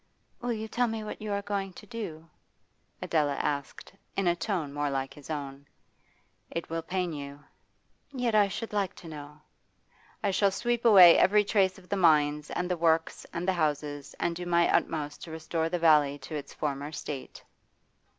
'Will you tell me what you are going to do?' Adela asked, in a tone more like his own. 'It will pain You.' 'Yet I should like to know.' 'I shall sweep away every trace of the mines and the works and the houses, and do my utmost to restore the valley to its former state.